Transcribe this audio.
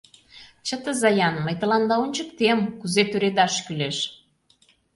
Чытыза-ян, мый тыланда ончыктем — кузе тӱредаш кӱлеш!..